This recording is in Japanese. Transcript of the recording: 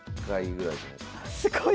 すごい！